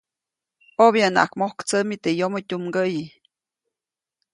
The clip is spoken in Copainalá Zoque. ʼObyanaʼak mojktsämi teʼ yomoʼ tyumgäʼyi.